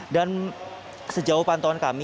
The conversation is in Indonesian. dan sejauh pantauan kami